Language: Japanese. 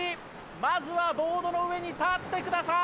まずはボードの上に立ってください！